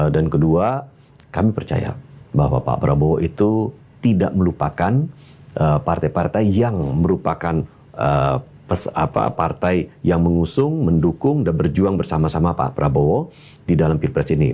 dan kedua kami percaya bahwa pak prabowo itu tidak melupakan partai partai yang merupakan partai yang mengusung mendukung dan berjuang bersama sama pak prabowo di dalam pirpres ini